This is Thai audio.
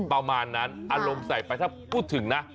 ประมาณนั้นอารมณ์ใส่ไปถ้าพูดถึงนะ